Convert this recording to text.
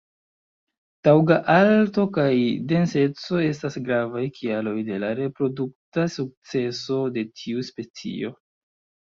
Taŭga alto kaj denseco estas gravaj kialoj de la reprodukta sukceso de tiu specio.